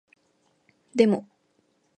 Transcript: でも